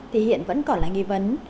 thì hiện vẫn còn là nghi vấn